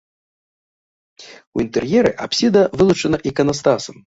У інтэр'еры апсіда вылучана іканастасам.